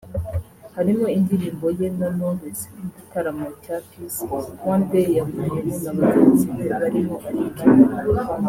harimo indirimbo ye na Knowless n’igitaramo cya Peace One Day yahuriyemo na bagenzi be barimo Ali Kiba